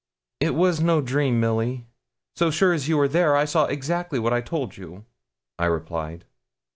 'It was no dream, Milly; so sure as you are there, I saw exactly what I told you,' I replied.